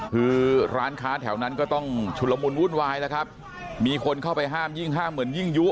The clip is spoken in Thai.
คือร้านค้าแถวนั้นก็ต้องชุดละมุนวุ่นวายแล้วครับมีคนเข้าไปห้ามยิ่งห้ามเหมือนยิ่งยุ